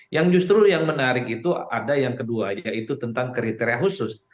yang justru yang menarik itu ada yang kedua yaitu tentang kriteria khusus